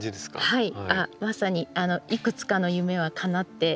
はい。